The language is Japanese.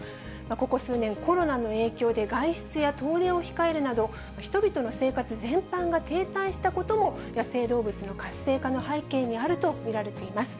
ここ数年、コロナの影響で、外出や遠出を控えるなど、人々の生活全般が停滞したことも、野生動物の活性化の背景にあると見られています。